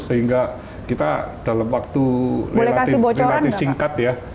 sehingga kita dalam waktu relatif singkat ya